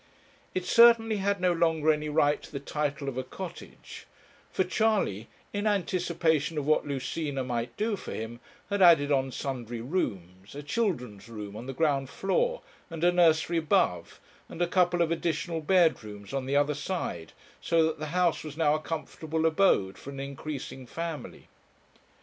It certainly had no longer any right to the title of a cottage; for Charley, in anticipation of what Lucina might do for him, had added on sundry rooms, a children's room on the ground floor, and a nursery above, and a couple of additional bedrooms on the other side, so that the house was now a comfortable abode for an increasing family.